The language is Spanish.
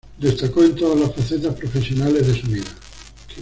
Destacó en todas las facetas profesionales de su vida.